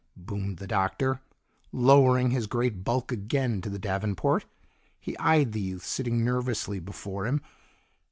boomed the Doctor, lowering his great bulk again to the davenport. He eyed the youth sitting nervously before him.